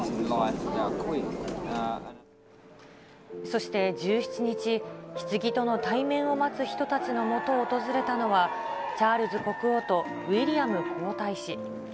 そして１７日、ひつぎとの対面を待つ人たちのもとを訪れたのはチャールズ国王とウィリアム皇太子。